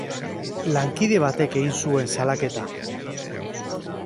Lankide batek egin zuen salaketa.